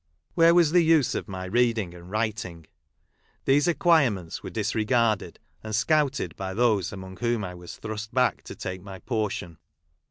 Where was the use of my reading and writing '? These acquirements were disregarded and scouted by those among whom I was thrust back to take my portion.